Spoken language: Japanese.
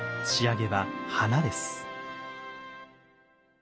仕上げは花です。